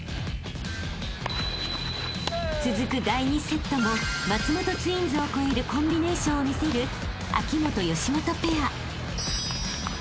［続く第２セットも松本ツインズを超えるコンビネーションを見せる秋本・義基ペア］